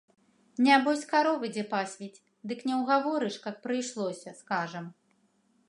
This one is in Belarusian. Нябось, каровы дзе пасвіць, дык не ўгаворыш, каб прыйшлося, скажам.